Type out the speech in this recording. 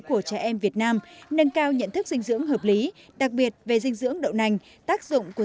của trẻ em việt nam nâng cao nhận thức dinh dưỡng hợp lý đặc biệt về dinh dưỡng đậu nành tác dụng của